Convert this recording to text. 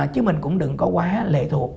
chứ mình cũng đừng có quá lệ thuộc